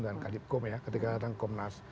dan kadipkom ketika datang komnas